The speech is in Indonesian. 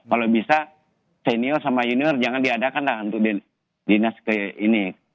kalau bisa senior sama junior jangan diadakan lah untuk dinas kayak ini